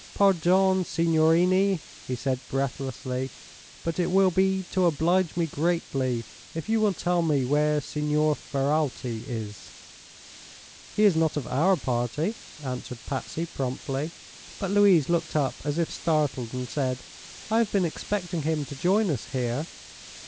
"Pardon, signorini," he said, breathlessly, "but it will be to oblige me greatly if you will tell me where Signor Ferralti is." "He is not of our party," answered Patsy, promptly; but Louise looked up as if startled, and said: "I have been expecting him to join us here."